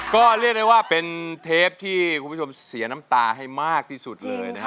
ก็เรียกได้ว่าเป็นเทปที่คุณผู้ชมเสียน้ำตาให้มากที่สุดเลยนะฮะ